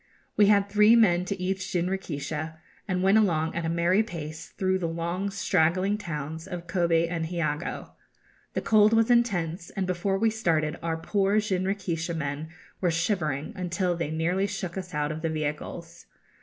We had three men to each jinrikisha, and went along at a merry pace through the long straggling towns of Kobe and Hiogo. The cold was intense, and before we started our poor jinrikisha men were shivering until they nearly shook us out of the vehicles.